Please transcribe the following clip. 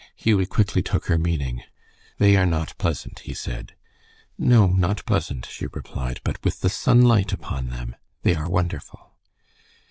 Hughie quickly took her meaning. "They are not pleasant," he said. "No, not pleasant," she replied, "but with the sunlight upon them they are wonderful."